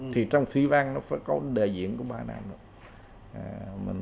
thì trong suy vang nó phải có đề diện của bãi nạn